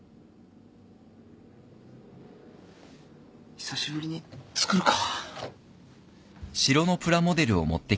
久しぶりに作るか。